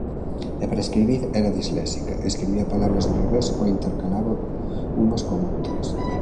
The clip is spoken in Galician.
E para escribir era disléxica, escribía palabras do revés ou intercalaba unhas con outras.